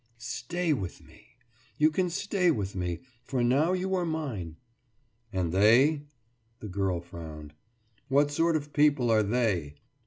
« »Stay with me. You can stay with me, for now you are mine.« »And They?« The girl frowned. »What sort of people are They?